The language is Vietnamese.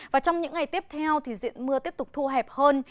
và trong những ngày tiếp theo thì diện mưa tiếp tục thu hẹp hơn